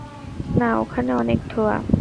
না, ওখানে অনেক ধোঁয়া।